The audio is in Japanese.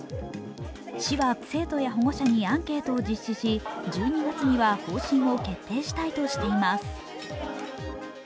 市は生徒や保護者にアンケートを実施し、１２月には方針を決定したいとしています。